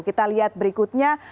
kita lihat berikutnya